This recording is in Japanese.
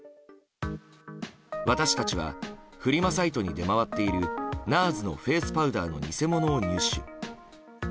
私たちはフリマサイトに出回っているＮＡＲＳのフェースパウダーの偽物を入手。